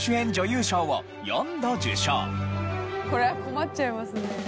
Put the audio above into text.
これは困っちゃいますね。